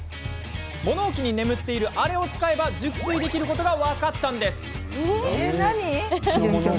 物置に眠っている、あれを使えば熟睡できることが分かったんです。